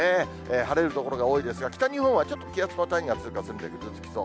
晴れる所が多いですが、北日本はちょっと気圧の谷が通過してきそう。